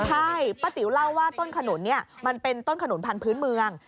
ใช่ป้าติ๋วเล่าว่าต้นขนุนเนี่ยมันเป็นต้นขนุนพันธุ์เมือง